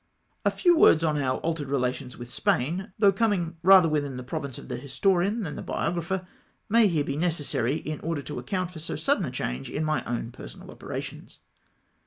A few words on our altered relations with Spain, though coming rather within the province of the his torian than the biographer, may here be necessary, in order to account for so sudden a change in my own personal operations.